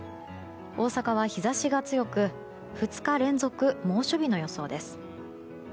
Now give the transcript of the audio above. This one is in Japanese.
大阪は日差しが強く２日連続、猛暑日の予想です。